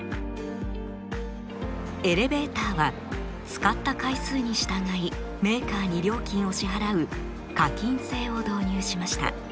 エレベーターは使った回数に従いメーカーに料金を支払う課金制を導入しました。